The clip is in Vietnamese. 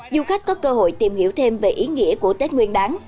du khách có cơ hội tìm hiểu thêm về ý nghĩa của tết nguyên đáng